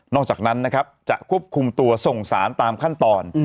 จากนั้นนะครับจะควบคุมตัวส่งสารตามขั้นตอน